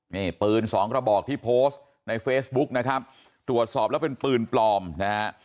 นี่ปืนสองกระบอกที่โพสต์ในเฟซบุ๊กนะครับตรวจสอบแล้วเป็นปืนปลอมนะฮะ